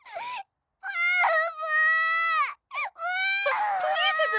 ププリンセス！